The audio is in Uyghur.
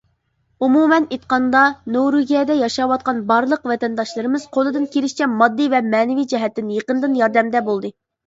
ئومۇمەن ئېيتقاندا، نورۋېگىيەدە ياشاۋاتقان بارلىق ۋەتەنداشلىرىمىز قولىدىن كېلىشىچە ماددىي ۋە مەنىۋى جەھەتتىن يېقىندىن ياردەمدە بولدى.